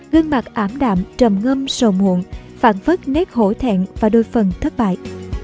gương mặt ảm đạm trầm ngâm sầu muộn phản vất nét hỗ thẹn và đôi phần thất bại